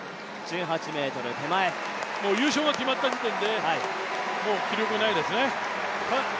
優勝が決まった時点で、もう気力はないですね。